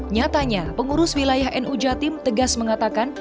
nyatanya pengurus wilayah nu jatim tegas mengatakan